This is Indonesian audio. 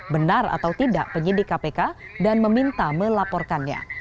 benar atau tidak penyidik kpk dan meminta melaporkannya